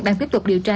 đang tiếp tục điều tra